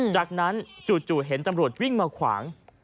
จากนั้นจู่เห็นตำรวจวิ่งมาขวาง